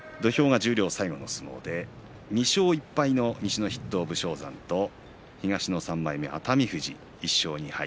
十両最後の土俵２勝１敗の東の筆頭栃煌山と東の３枚目、熱海富士１勝２敗